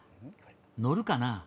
「乗るかな？